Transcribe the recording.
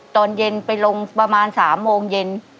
ตอนเย็นไปลงประมาณ๓โมงเย็น